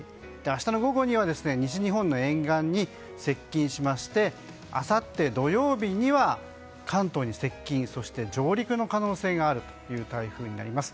明日の午後には西日本の沿岸に接近しましてあさって土曜日には関東に接近そして、上陸の可能性があるという台風になります。